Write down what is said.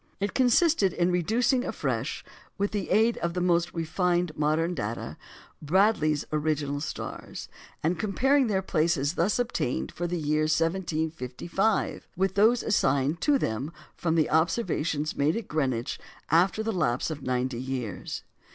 It consisted in reducing afresh, with the aid of the most refined modern data, Bradley's original stars, and comparing their places thus obtained for the year 1755 with those assigned to them from observations made at Greenwich after the lapse of ninety years.